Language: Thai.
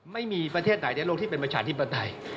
ไม่มีประเทศไหนในโลกที่เป็นประชาธิปไตย